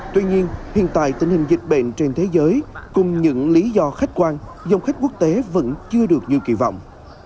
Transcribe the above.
tuy nhiên hiện tại tình hình dịch bệnh trên thế giới cùng những lý do khách quan dòng khách quốc tế vẫn chưa được như kỳ vọng